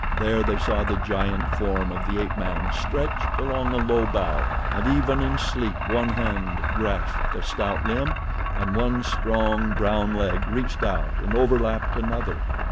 There they saw the giant form of the ape man stretched along a low bough and even in sleep one hand grasped a stout limb and one strong, brown leg reached out and overlapped another.